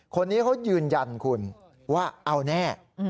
คนนี้เขายืนยันคุณว่าเอาแน่